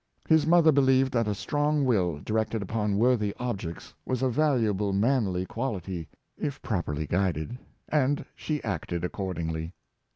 His mother believed that a strong will, di rected upon worthy objects, was a valuable manly qual ity if properly guided, and she acted accordingly.